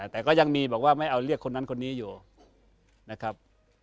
แต่ก็ยังมีบอกว่าไม่เอาเรียกคนนั้นคนนี้อยู่นะครับ